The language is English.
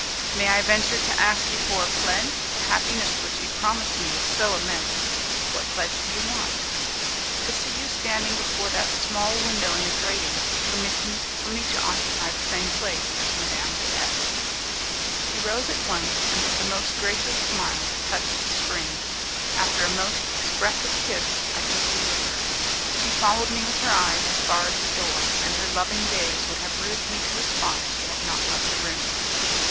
"May I venture to ask you for a pledge? The happiness which you promise me is so immense!" "What pledge do you want?" "To see you standing before that small window in the grating with permission for me to occupy the same place as Madame de S ." She rose at once, and, with the most gracious smile, touched the spring; after a most expressive kiss, I took leave of her. She followed me with her eyes as far as the door, and her loving gaze would have rooted me to the spot if she had not left the room.